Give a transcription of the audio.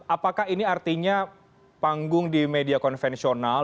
apakah ini artinya panggung di media konvensional